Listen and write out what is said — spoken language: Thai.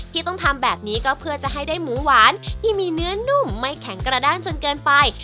ที่ต้องทำแบบนี้ก็เพื่อจะให้ได้หมูหวานที่มีเนื้อนุ่มไม่แข็งกระด้างจนเกินไป